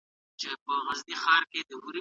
خاوند او ميرمن کولای سي.